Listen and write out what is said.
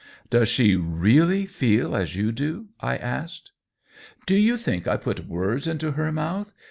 " Does she really feel as you do ?" I asked. "Do you think I put words into her mouth